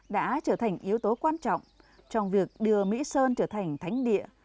đã trở thành yếu tố quan trọng trong việc đưa mỹ sơn trở thành thánh địa